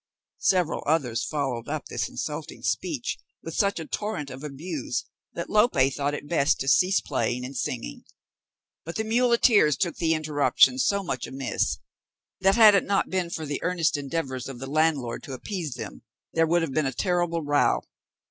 Several others followed up this insulting speech with such a torrent of abuse that Lope thought it best to cease playing and singing; but the muleteers took the interruption so much amiss, that had it not been for the earnest endeavours of the landlord to appease them, there would have been a terrible row.